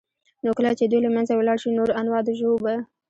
نو كله چي دوى له منځه ولاړ شي نور انواع د ژوو به